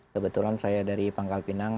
kebetulan saya dari pangkal pinang